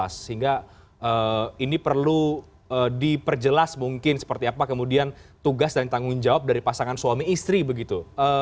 sehingga ini perlu diperjelas mungkin seperti apa kemudian tugas dan tanggung jawab dari pasangan suami istri begitu